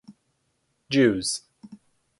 Jews.